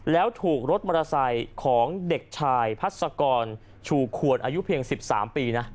แล้วถูกรถมอเตอร์ไซค์ของเด็กชายพัศกรชูควรอายุเพียง๑๓ปีนะ